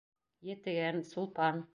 Етегән, Сулпан...